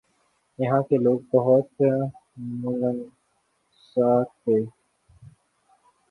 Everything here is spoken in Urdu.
یہاں کے لوگ بہت ملنسار تھے ۔